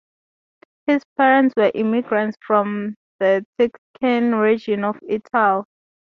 His parents were immigrants from the Tuscany region of Italy.